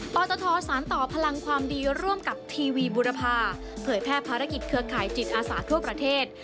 ตทสารต่อพลังความดีร่วมกับทีวีบุรพาเผยแพร่ภารกิจเครือข่ายจิตอาสาทั่วประเทศ